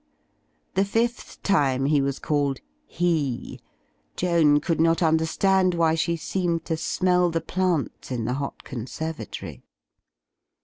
The fifth time he was called "He," Joan could not understand why she seemed to smell the plants in the hot conservatory.